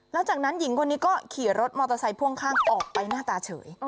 แล้วจากนั้นหญิงคนนี้ก็ขี่รถมอเตอร์ไซค์พ่วงข้างออกไปหน้าตาเฉย